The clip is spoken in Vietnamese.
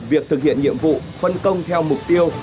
việc thực hiện nhiệm vụ phân công theo mục tiêu